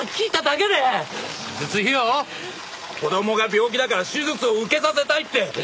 子供が病気だから手術を受けさせたいって。